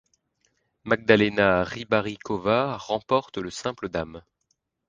Magdaléna Rybáriková remporte le simple dames.